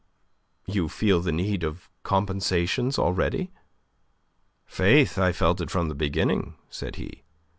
you feel the need of compensations already?" "Faith, I felt it from the beginning," said he.